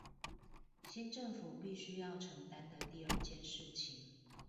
新政府必須要承擔的第二件事情